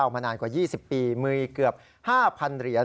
มานานกว่า๒๐ปีมีเกือบ๕๐๐เหรียญ